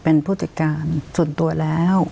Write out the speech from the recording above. เป็นผู้จัดการส่วนตัวแล้ว